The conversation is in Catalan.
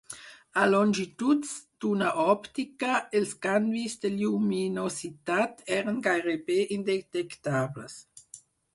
A longituds d'ona òptica, els canvis de lluminositat eren gairebé indetectables.